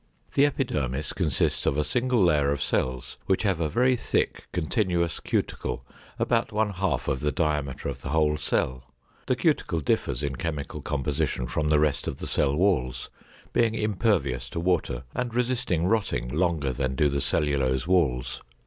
The epidermis consists of a single layer of cells which have a very thick continuous cuticle about one half of the diameter of the whole cell. The cuticle differs in chemical composition from the rest of the cell walls, being impervious to water, and resisting rotting longer than do the cellulose walls.